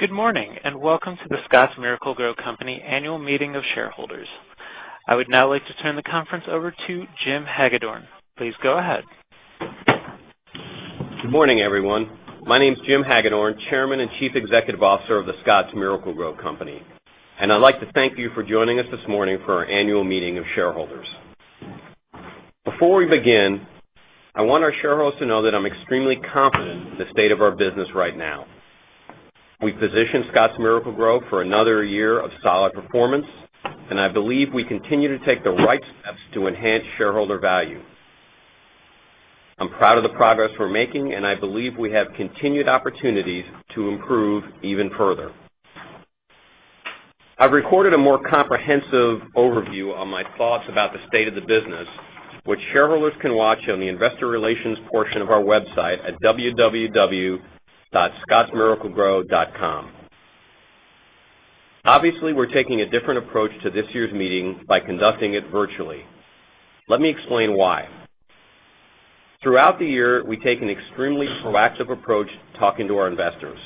Good morning, welcome to The Scotts Miracle-Gro Company annual meeting of shareholders. I would now like to turn the conference over to Jim Hagedorn. Please go ahead. Good morning, everyone. My name's Jim Hagedorn, Chairman and Chief Executive Officer of The Scotts Miracle-Gro Company. I'd like to thank you for joining us this morning for our annual meeting of shareholders. Before we begin, I want our shareholders to know that I'm extremely confident in the state of our business right now. We've positioned Scotts Miracle-Gro for another year of solid performance, and I believe we continue to take the right steps to enhance shareholder value. I'm proud of the progress we're making, and I believe we have continued opportunities to improve even further. I've recorded a more comprehensive overview on my thoughts about the state of the business, which shareholders can watch on the investor relations portion of our website at www.scottsmiracle-gro.com. We're taking a different approach to this year's meeting by conducting it virtually. Let me explain why. Throughout the year, we take an extremely proactive approach talking to our investors.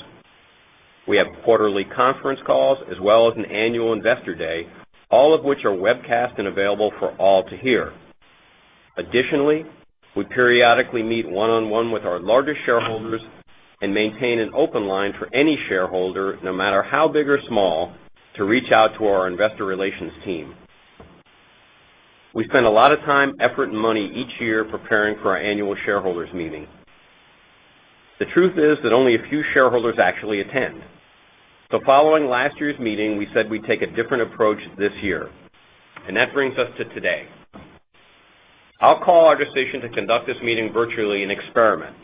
We have quarterly conference calls, as well as an annual investor day, all of which are webcast and available for all to hear. Additionally, we periodically meet one-on-one with our largest shareholders and maintain an open line for any shareholder, no matter how big or small, to reach out to our investor relations team. We spend a lot of time, effort, and money each year preparing for our annual shareholders meeting. The truth is that only a few shareholders actually attend. Following last year's meeting, we said we'd take a different approach this year, and that brings us to today. I'll call our decision to conduct this meeting virtually an experiment,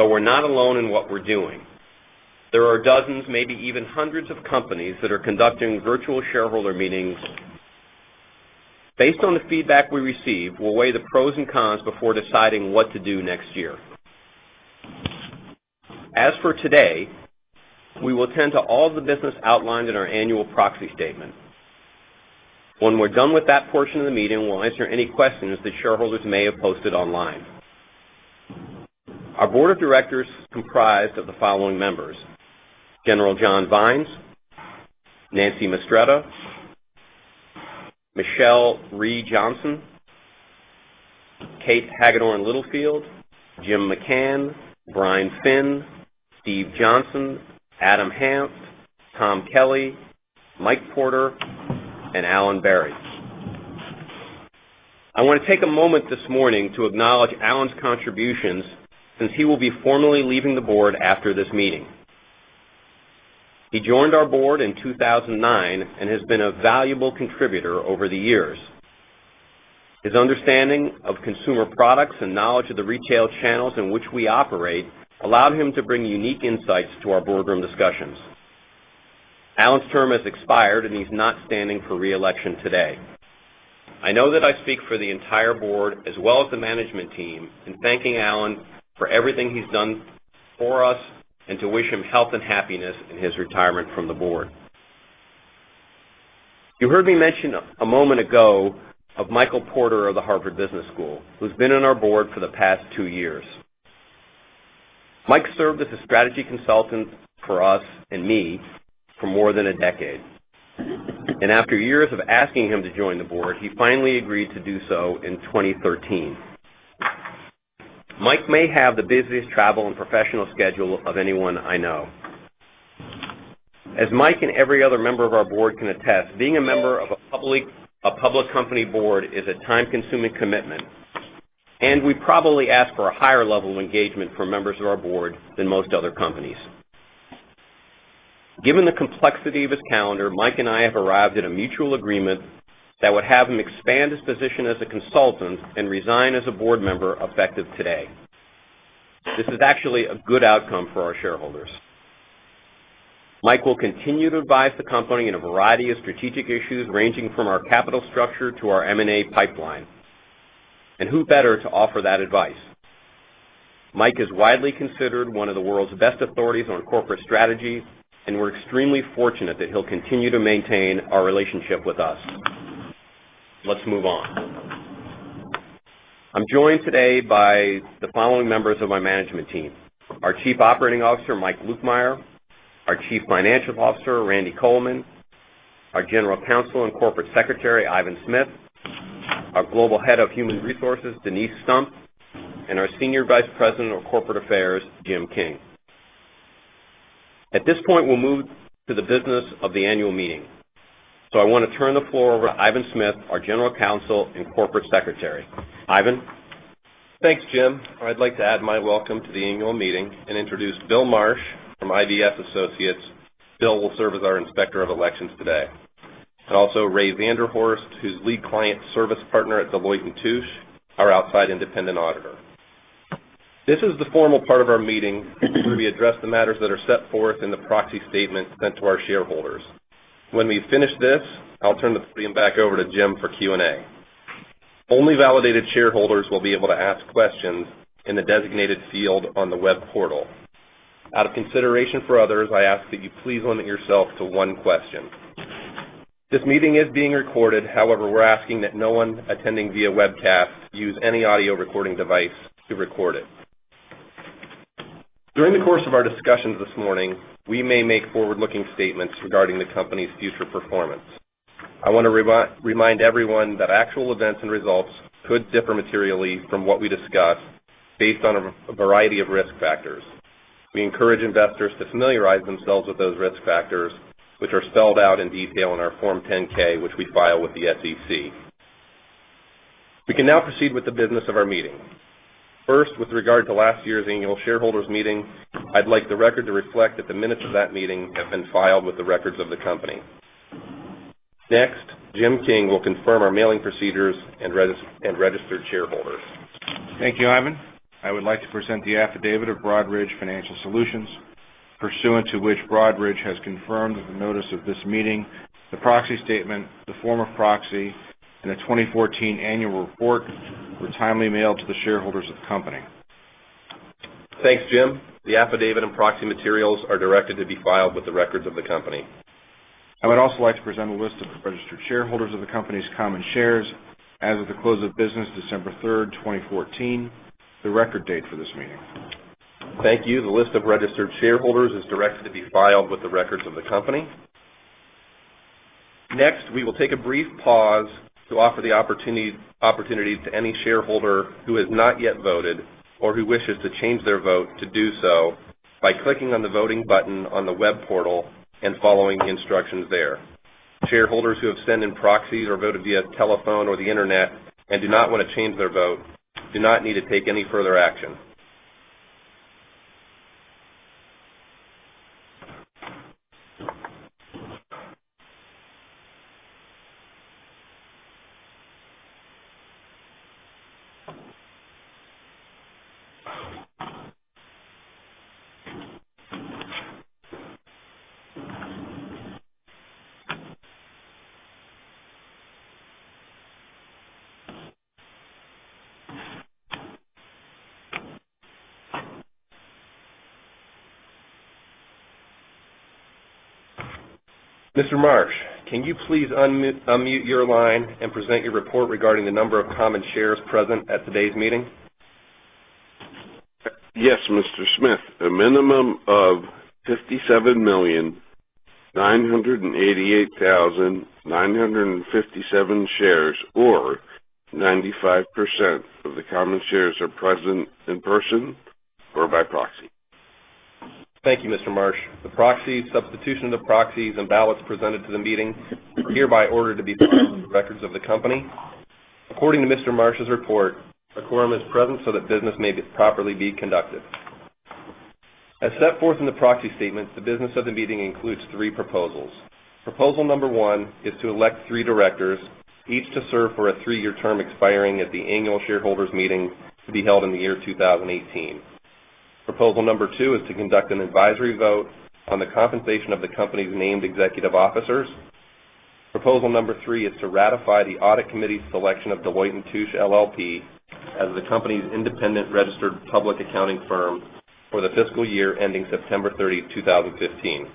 though we're not alone in what we're doing. There are dozens, maybe even hundreds of companies that are conducting virtual shareholder meetings. Based on the feedback we receive, we'll weigh the pros and cons before deciding what to do next year. As for today, we will tend to all the business outlined in our annual proxy statement. When we're done with that portion of the meeting, we'll answer any questions that shareholders may have posted online. Our board of directors is comprised of the following members: General John Vines, Nancy Mistretta, Michelle Reed Johnson, Kate Hagedorn Littlefield, Jim McCann, Brian Spinn, Steve Johnson, Adam Hanft, Tom Kelly, Mike Porter, and Alan Berry. I want to take a moment this morning to acknowledge Alan's contributions, since he will be formally leaving the board after this meeting. He joined our board in 2009 and has been a valuable contributor over the years. His understanding of consumer products and knowledge of the retail channels in which we operate allowed him to bring unique insights to our boardroom discussions. Alan's term has expired, and he's not standing for re-election today. I know that I speak for the entire board, as well as the management team, in thanking Alan for everything he's done for us and to wish him health and happiness in his retirement from the board. You heard me mention a moment ago of Michael Porter of the Harvard Business School, who's been on our board for the past two years. Mike served as a strategy consultant for us and me for more than a decade. After years of asking him to join the board, he finally agreed to do so in 2013. Mike may have the busiest travel and professional schedule of anyone I know. As Mike and every other member of our board can attest, being a member of a public company board is a time-consuming commitment, and we probably ask for a higher level of engagement from members of our board than most other companies. Given the complexity of his calendar, Mike and I have arrived at a mutual agreement that would have him expand his position as a consultant and resign as a board member, effective today. This is actually a good outcome for our shareholders. Mike will continue to advise the company in a variety of strategic issues, ranging from our capital structure to our M&A pipeline. Who better to offer that advice? Mike is widely considered one of the world's best authorities on corporate strategy, and we're extremely fortunate that he'll continue to maintain our relationship with us. Let's move on. I'm joined today by the following members of my management team: our chief operating officer, Mike Lukemire, our chief financial officer, Randy Coleman, our general counsel and corporate secretary, Ivan Smith, our global head of human resources, Denise Stump, and our senior vice president of corporate affairs, Jim King. At this point, we'll move to the business of the annual meeting. I want to turn the floor over to Ivan Smith, our general counsel and corporate secretary. Ivan? Thanks, Jim. I'd like to add my welcome to the annual meeting and introduce Bill Marsh from IVS Associates. Bill will serve as our inspector of elections today. Also Ray Vanderhorst, who's lead client service partner at Deloitte & Touche, our outside independent auditor. This is the formal part of our meeting where we address the matters that are set forth in the proxy statement sent to our shareholders. When we finish this, I'll turn the podium back over to Jim for Q&A. Only validated shareholders will be able to ask questions in the designated field on the web portal. Out of consideration for others, I ask that you please limit yourself to one question. This meeting is being recorded. However, we're asking that no one attending via webcast use any audio recording device to record it. During the course of our discussions this morning, we may make forward-looking statements regarding the company's future performance. I want to remind everyone that actual events and results could differ materially from what we discuss based on a variety of risk factors. We encourage investors to familiarize themselves with those risk factors, which are spelled out in detail in our Form 10-K, which we file with the SEC. We can now proceed with the business of our meeting. First, with regard to last year's annual shareholders meeting, I'd like the record to reflect that the minutes of that meeting have been filed with the records of the company. Next, Jim King will confirm our mailing procedures and registered shareholders. Thank you, Ivan. I would like to present the affidavit of Broadridge Financial Solutions, pursuant to which Broadridge has confirmed that the notice of this meeting, the proxy statement, the form of proxy, and the 2014 annual report were timely mailed to the shareholders of the company. Thanks, Jim. The affidavit and proxy materials are directed to be filed with the records of the company. I would also like to present a list of the registered shareholders of the company's common shares as of the close of business December 3rd, 2014, the record date for this meeting. Thank you. The list of registered shareholders is directed to be filed with the records of the company. We will take a brief pause to offer the opportunity to any shareholder who has not yet voted or who wishes to change their vote to do so by clicking on the voting button on the web portal and following the instructions there. Shareholders who have sent in proxies or voted via telephone or the internet and do not want to change their vote do not need to take any further action. Mr. Marsh, can you please unmute your line and present your report regarding the number of common shares present at today's meeting? Yes, Mr. Smith. A minimum of 57 million 988,957 shares, or 95% of the common shares are present in person or by proxy. Thank you, Mr. Marsh. The proxies, substitution of the proxies, and ballots presented to the meeting are hereby ordered to be filed in the records of the company. According to Mr. Marsh's report, a quorum is present so that business may properly be conducted. As set forth in the proxy statement, the business of the meeting includes 3 proposals. Proposal number 1 is to elect 3 directors, each to serve for a 3-year term expiring at the annual shareholders meeting to be held in the year 2018. Proposal number 2 is to conduct an advisory vote on the compensation of the company's named executive officers. Proposal number 3 is to ratify the Audit Committee's selection of Deloitte & Touche LLP as the company's independent registered public accounting firm for the fiscal year ending September 30th, 2015.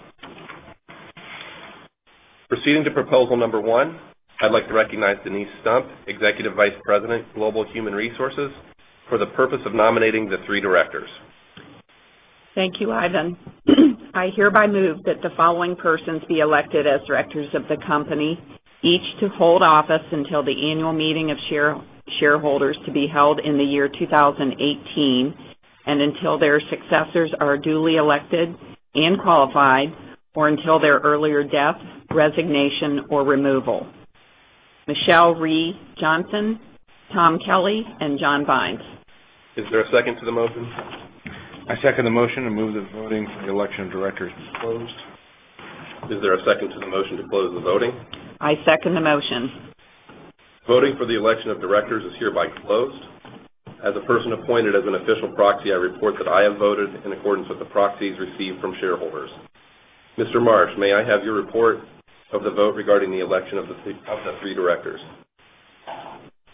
Proceeding to proposal number 1, I'd like to recognize Denise Stump, Executive Vice President, Global Human Resources, for the purpose of nominating the 3 directors. Thank you, Ivan. I hereby move that the following persons be elected as directors of the company, each to hold office until the annual meeting of shareholders to be held in the year 2018 and until their successors are duly elected and qualified, or until their earlier death, resignation, or removal. Michelle Reed Johnson, Tom Kelly, and John Vines. Is there a second to the motion? I second the motion and move the voting for the election of directors be closed. Is there a second to the motion to close the voting? I second the motion. Voting for the election of directors is hereby closed. As a person appointed as an official proxy, I report that I have voted in accordance with the proxies received from shareholders. Mr. Marsh, may I have your report of the vote regarding the election of the three directors?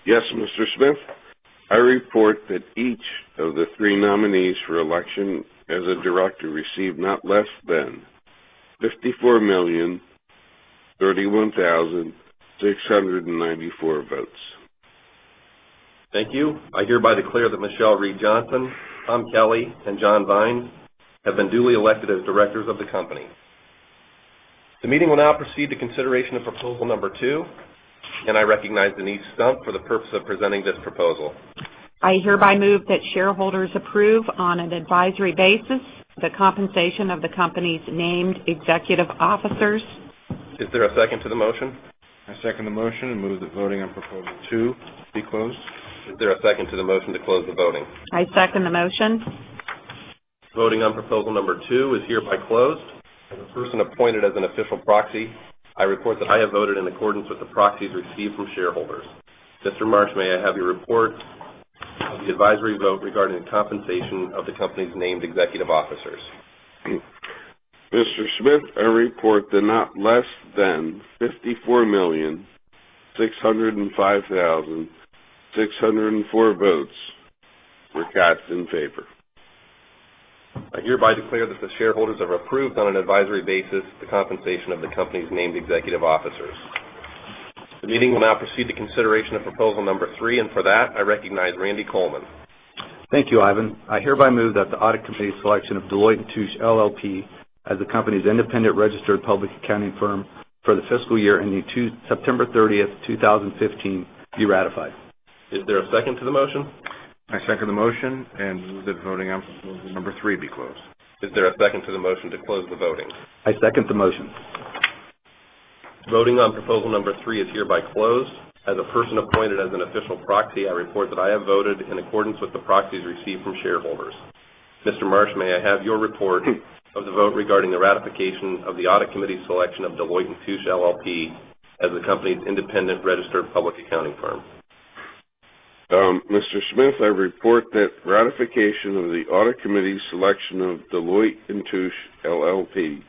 Yes, Mr. Smith. I report that each of the three nominees for election as a director received not less than 54,031,694 votes. Thank you. I hereby declare that Michelle Reed Johnson, Tom Kelly, and John Vines have been duly elected as directors of the company. The meeting will now proceed to consideration of proposal number two, and I recognize Denise Stump for the purpose of presenting this proposal. I hereby move that shareholders approve, on an advisory basis, the compensation of the company's named executive officers. Is there a second to the motion? I second the motion and move the voting on proposal two be closed. Is there a second to the motion to close the voting? I second the motion. Voting on proposal number two is hereby closed. As a person appointed as an official proxy, I report that I have voted in accordance with the proxies received from shareholders. Mr. Marsh, may I have your report of the advisory vote regarding the compensation of the company's named executive officers? Mr. Smith, I report that not less than 54,605,604 votes were cast in favor. I hereby declare that the shareholders have approved, on an advisory basis, the compensation of the company's named executive officers. The meeting will now proceed to consideration of proposal number three, and for that, I recognize Randy Coleman. Thank you, Ivan. I hereby move that the audit committee's selection of Deloitte & Touche LLP as the company's independent registered public accounting firm for the fiscal year ending September 30, 2015 be ratified. Is there a second to the motion? I second the motion, and move that voting on proposal number three be closed. Is there a second to the motion to close the voting? I second the motion. Voting on proposal number three is hereby closed. As a person appointed as an official proxy, I report that I have voted in accordance with the proxies received from shareholders. Mr. Marsh, may I have your report of the vote regarding the ratification of the audit committee's selection of Deloitte & Touche LLP as the company's independent registered public accounting firm? Mr. Smith, I report that ratification of the audit committee's selection of Deloitte & Touche LLP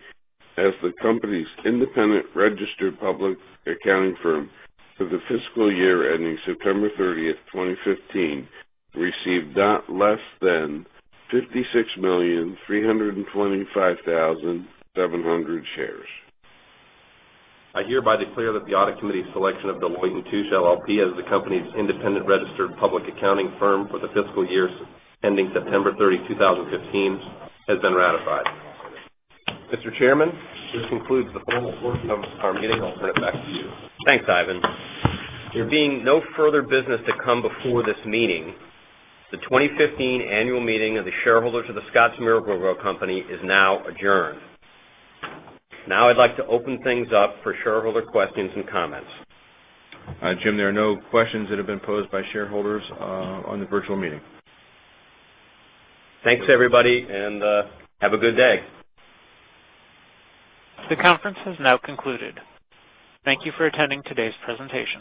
as the company's independent registered public accounting firm for the fiscal year ending September 30, 2015, received not less than 56,325,700 shares. I hereby declare that the audit committee's selection of Deloitte & Touche LLP as the company's independent registered public accounting firm for the fiscal years ending September 30, 2015, has been ratified. Mr. Chairman, this concludes the formal portion of our meeting. I'll turn it back to you. Thanks, Ivan. There being no further business to come before this meeting, the 2015 annual meeting of the shareholders of The Scotts Miracle-Gro Company is now adjourned. I'd like to open things up for shareholder questions and comments. Jim, there are no questions that have been posed by shareholders on the virtual meeting. Thanks, everybody, have a good day. The conference has now concluded. Thank you for attending today's presentation.